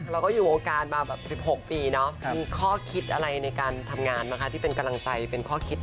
เราก็อยู่วงการมาแบบ๑๖ปีเนาะมีข้อคิดอะไรในการทำงานบ้างคะที่เป็นกำลังใจเป็นข้อคิด